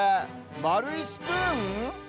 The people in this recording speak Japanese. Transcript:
まるいスプーン？